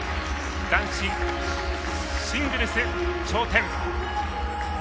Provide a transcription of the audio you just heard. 男子シングルス頂点。